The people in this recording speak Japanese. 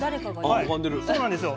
はいそうなんですよ。